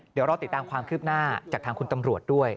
เดี๋ยวรอติดตามความคืบหน้าจากทางคุณตำรวจด้วย